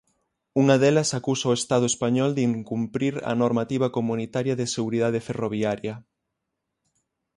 Unha delas acusa o Estado español de incumprir a normativa comunitaria de seguridade ferroviaria.